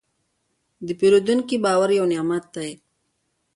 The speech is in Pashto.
د پیرودونکي باور یو نعمت دی.